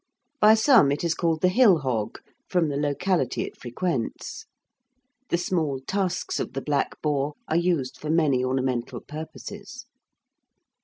By some it is called the hill hog, from the locality it frequents. The small tusks of the black boar are used for many ornamental purposes.